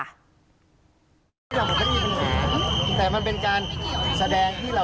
ดูตอนวิวสารเข้าที่มันแสดงสู่ความเป็นใครหน้ากี้สุดนะคะ